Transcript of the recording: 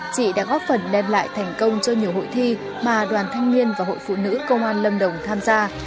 chị đã góp phần đem lại thành công cho nhiều hội thi mà đoàn thanh niên và hội phụ nữ công an lâm đồng tham gia